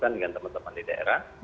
dengan teman teman di daerah